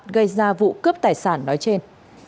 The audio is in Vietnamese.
gây ra vụ cướp tài sản nói trên